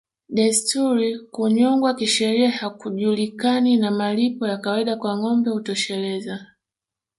Desturi Kunyongwa kisheria hakujulikani na malipo ya kawaida kwa ngombe hutosheleza